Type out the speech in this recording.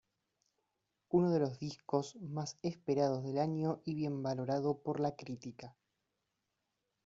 Uno de los discos más esperados del año y bien valorado por la crítica.